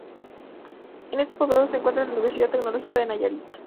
En este poblado se encuentra la Universidad Tecnológica de Nayarit.